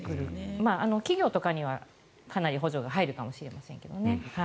企業とかにはかなり補助が出るかもしれないですけどね。